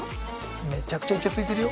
めちゃくちゃいちゃついてるよ。